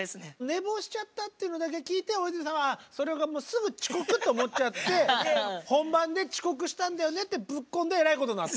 寝坊しちゃったっていうのだけ聞いて大泉さんはそれがもうすぐ遅刻と思っちゃって本番で「遅刻したんだよね」ってぶっこんでえらいことになった。